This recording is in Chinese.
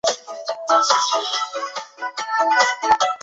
它的边缘外翻而不是总是抬起。